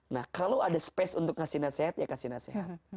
nah kalau ada space untuk ngasih nasihat ya kasih nasihat